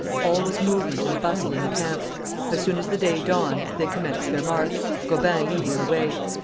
All was movement and bustle in the camp. As soon as the day dawned they commenced their march, Gobin leading the way.